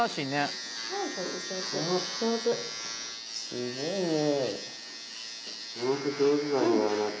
すごいね。